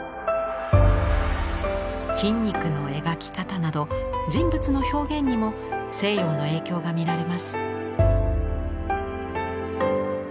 筋肉の描き方など人物の表現にも西洋の影響が見られます。